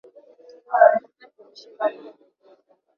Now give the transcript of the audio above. Mume kumshika mkewe begani